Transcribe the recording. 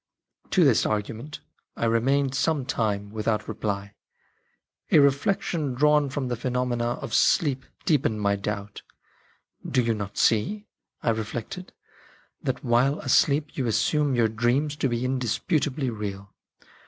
To this argument I remained some time without reply ; a reflection drawn from the phenomena of sleep deepened my doubt. " Do you not see," I reflected, " that while asleep you assume your dreams to be indisputably real